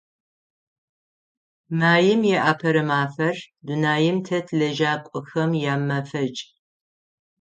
Маим и Апэрэ мафэр – дунаим тет лэжьакӀохэм ямэфэкӀ.